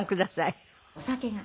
「お酒が」